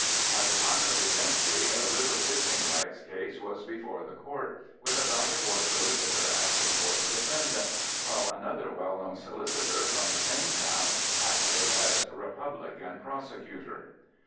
At the time of his entry a river fishing rights case was before the court, with a Ballybor solicitor acting for the defendant, while another well known solicitor from the same town acted as "Republican Prosecutor."